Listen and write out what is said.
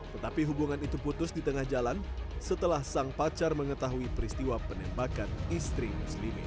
tetapi hubungan itu putus di tengah jalan setelah sang pacar mengetahui peristiwa penembakan istri muslimin